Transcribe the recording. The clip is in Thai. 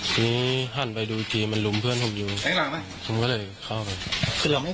ทีนี้หั่นไปดูทีมันลุมเพื่อนผมอยู่ผมก็เลยเข้าไป